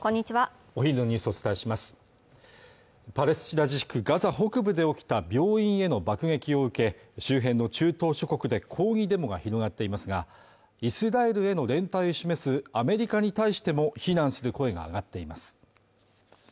お昼のニュースをお伝えしますパレスチナ自治区ガザ北部で起きた病院への爆撃を受け周辺の中東諸国で抗議デモが広がっていますがイスラエルへの連帯を示すアメリカに対しても非難する声が上がっています